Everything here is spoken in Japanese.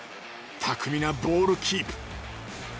巧みなボールキープ。